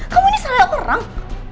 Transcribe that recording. kamu ini salah orang